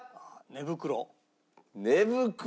寝袋。